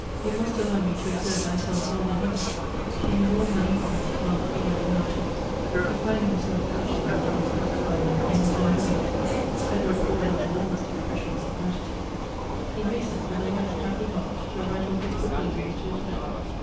You must allow me to exert myself more than ever, to use all my influence among all my connections, to find him some position which will satisfy him in his cvn way." 20 Goethe's Edward poured out the warmest expressions of grati tude. He hastened, with a light, happy heart, to write off his proposals to his friend.